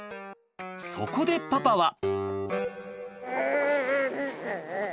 そこでパパは。